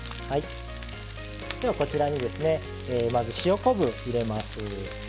ではこちらにですねまず塩昆布入れます。